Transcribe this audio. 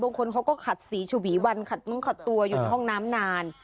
บางคนเขาก็ขัดสีฉวีวันขัดตัวอยู่ในห้องน้ำนาน